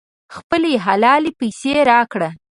خپلې حلالې پیسې راکړه.